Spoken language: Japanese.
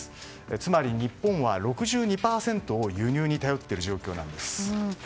つまり、日本は６２％を輸入に頼っている状況なんです。